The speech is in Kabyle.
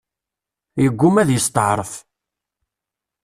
Yegguma ad yesteɛref.